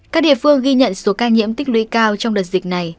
các địa phương ghi nhận số ca nhiễm tích lũy cao trong đợt dịch này